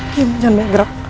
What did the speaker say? diam jangan banyak gerak